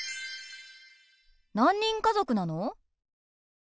何人家族なの？